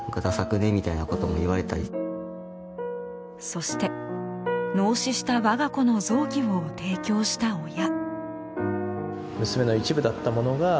そして脳死した我が子の臓器を提供した親。